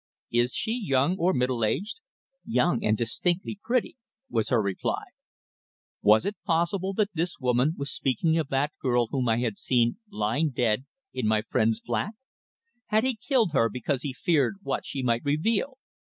"Is she young or middle aged?" "Young, and distinctly pretty," was her reply. Was it possible that this woman was speaking of that girl whom I had seen lying dead in my friend's flat? Had he killed her because he feared what she might reveal?